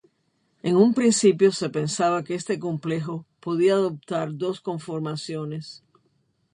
En un principio se pensaba que este complejo podía adoptar dos conformaciones.